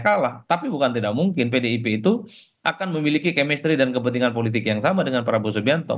kalah tapi bukan tidak mungkin pdip itu akan memiliki chemistry dan kepentingan politik yang sama dengan prabowo subianto